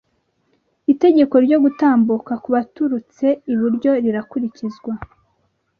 itegeko ryogutambuka kubaturutse iburyo rirakurizwa